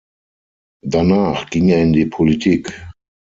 Danach ging er in die Politik.